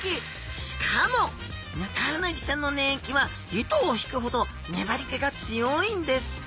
しかもヌタウナギちゃんの粘液は糸を引くほどねばりけが強いんです！